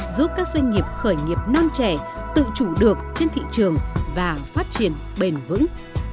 giúp các doanh nghiệp khởi nghiệp non trẻ tự chủ được trên thị trường và phát triển bền vững